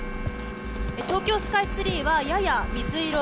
東京スカイツリーは、やや水色。